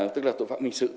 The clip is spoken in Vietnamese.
tức là tội phạm hình sự